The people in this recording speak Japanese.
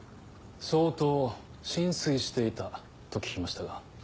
相当心酔していたと聞きましたが。